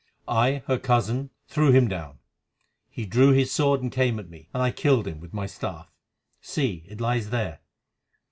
I, her cousin, threw him down. He drew his sword and came at me, and I killed him with my staff. See, it lies there.